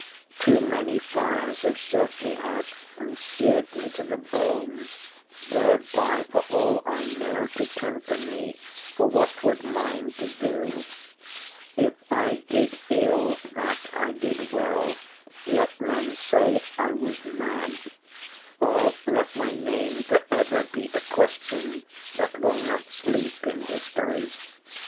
Too many fires Have sought me out and seared me to the bone Thereby, for all I know, to temper me For what was mine to do. If I did ill What I did well, let men say I was mad; Or let my name for ever be a question That will not sleep in history.